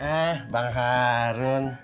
eh bang harun